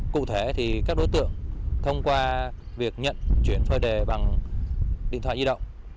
cụ thể thì các đối tượng thông qua việc nhận chuyển phơi đề bằng điện thoại di động